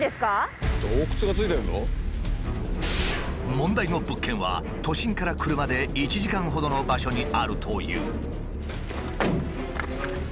問題の物件は都心から車で１時間ほどの場所にあるという。